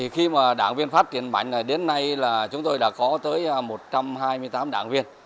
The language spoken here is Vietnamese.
khi đảng viên phát triển mạnh đến nay chúng tôi đã có tới một trăm hai mươi tám đảng viên